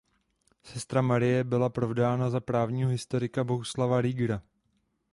Sestra Marie byla provdána za právního historika Bohuslava Riegra.